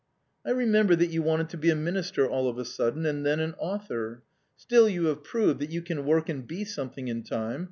" I remember that you wanted to be a minister all of a sudden, and then an author. Still you have proved that you can work and be something in time.